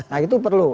nah itu perlu